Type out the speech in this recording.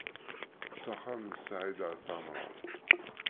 S axxam n Sɛid At Ɛemran.